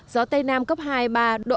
gió tây nam cấp hai ba độ